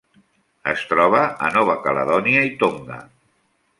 Es troba a Nova Caledònia i Tonga.